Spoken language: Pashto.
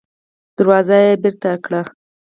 دروازه يې بېرته کړه.